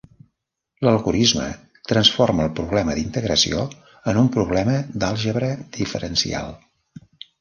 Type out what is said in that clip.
L'algorisme transforma el problema d'integració en un problema d'àlgebra diferencial.